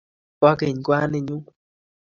Po keny kwaninyu